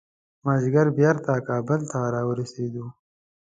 مازدیګر بیرته کابل ته راورسېدو.